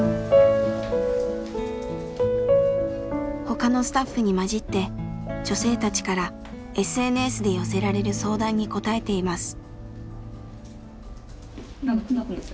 他のスタッフに交じって女性たちからＳＮＳで寄せられる相談に答えています。